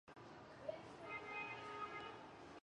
该物种的模式产地在东印度群岛。